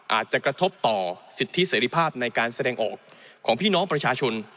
อาจจะกระทบต่อสิทธิเสรีภาพในการแสดงออกของพี่น้องประชาชน